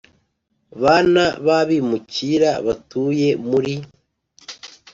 bana b abimukira batuye muri